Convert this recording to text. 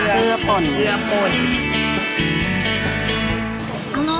เผื้อป่น